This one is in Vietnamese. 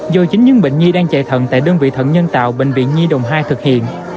do chính những bệnh nhi đang chạy thận tại đơn vị thận nhân tạo bệnh viện nhi đồng hai thực hiện